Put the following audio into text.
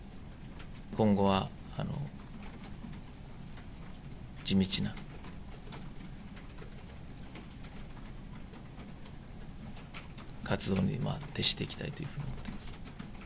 今後は地道な、活動に徹していきたいというふうに思っています。